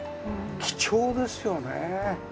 貴重ですよね。